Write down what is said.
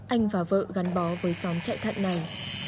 anh và vợ gắn bó với xóm chạy thận này